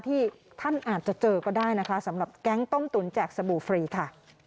ที่ท่านอาจจะเจอก็ได้นะคะสำหรับแก๊งต้มตุ๋นแจกสบู่ฟรีค่ะ